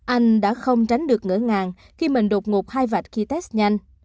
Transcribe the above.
anh đã không tránh được ngỡ ngàng khi mình đột ngột hai vạch khi test nhanh